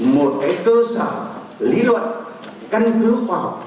một cái cơ sở lý luận căn cứ khoa học